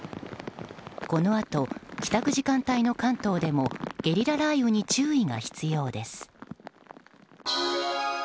このあと、帰宅時間帯の関東でもゲリラ雷雨に注意が必要です。